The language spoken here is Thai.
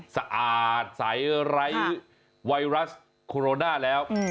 สะอาดใสไร้ไวรัสโคโรนาแล้ว